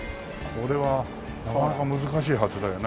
これはなかなか難しいはずだよね。